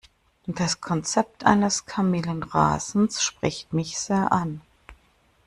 Das Konzept eines Kamillenrasens spricht mich sehr an.